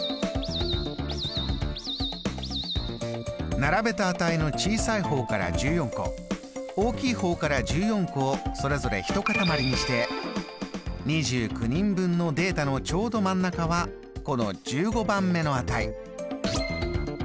並べた値の小さい方から１４個大きい方から１４個をそれぞれ一塊にして２９人分のデータのちょうど真ん中はこの１５番目の値。